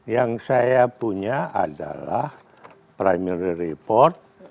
yang saya punya adalah primary report